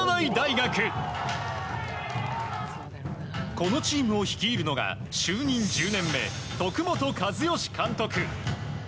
このチームを率いるのが就任１０年目徳本一善監督。